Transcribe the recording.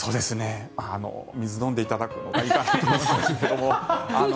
水を飲んでいただくのがいいかなと思いますけども。